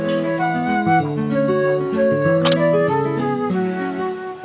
yang lain masih di posisi yang sama